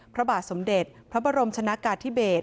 พระบาทสมเด็จพระบรมชนะกาธิเบศ